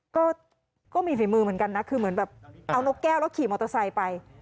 ก็มีฝีมือเหมือนกันนะคือเหมือนแบบเอานกแก้วแล้วขี่มอเตอร์ไซค์ไป